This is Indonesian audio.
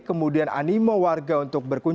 kemudian animo warga untuk berkunju